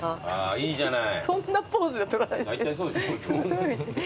いいじゃない。